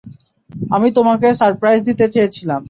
আমি তোমাকে সারপ্রাইজ দিতে চেয়েছিলাম।